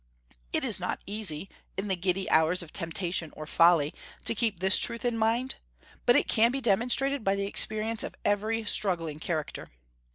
It is not easy, in the giddy hours of temptation or folly, to keep this truth in mind, but it can be demonstrated by the experience of every struggling character.